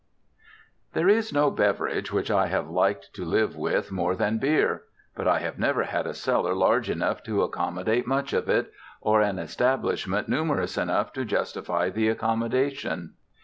There is no beverage which I have liked "to live with" more than Beer; but I have never had a cellar large enough to accommodate much of it, or an establishment numerous enough to justify the accommodation.